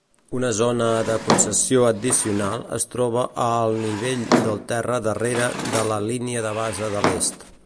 Una zona de concessió addicional es troba a al nivell del terra darrera de la línia de base de l'est.